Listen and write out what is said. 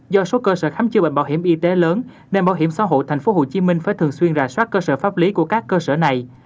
do số cơ sở khám chữa bệnh bảo hiểm y tế lớn nên bảo hiểm xã hội tp hcm phải thường xuyên rà soát cơ sở pháp lý của các cơ sở này